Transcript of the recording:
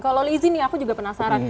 kalau lizzy nih aku juga penasaran